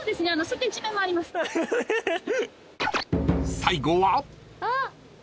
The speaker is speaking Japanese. ［最後は］